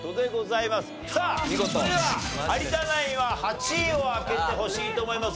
さあそれでは有田ナインは８位を開けてほしいと思います。